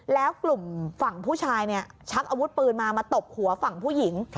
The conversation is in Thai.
แล้วกลุ่มฝั่งผู้ชายเนี่ยชักอาวุธปืนมามาตบหัวฝั่งผู้หญิง